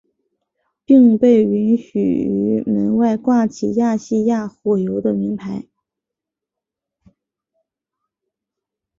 并被允许于门外挂起亚细亚火油的铭牌。